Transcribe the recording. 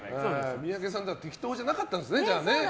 三宅さんは適当じゃなかったんですね。